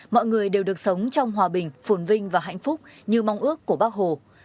mọi người đều được sống trong hòa bình phồn vinh và hạnh phúc như mong ước của bác hồ